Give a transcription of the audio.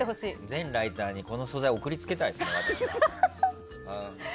全ライターにこの素材を送り付けたいですね。